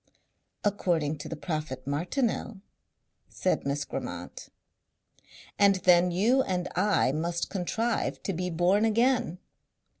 "According to the prophet Martineau," said Miss Grammont. "And then you and I must contrive to be born again."